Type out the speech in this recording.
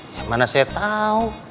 ya mana saya tau